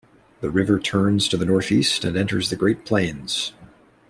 The river turns to the northeast and enters the Great Plains.